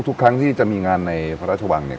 ทุกครั้งที่จะมีงานในพระราชวังเนี่ย